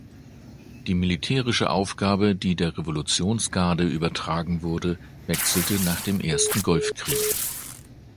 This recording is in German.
Die militärische Aufgabe, die der Revolutionsgarde übertragen wurde, wechselte nach dem Ersten Golfkrieg.